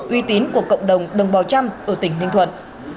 uy tín của cộng đồng đồng bào trăm ở tỉnh ninh thuận